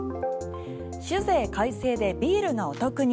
酒税改正でビールがお得に。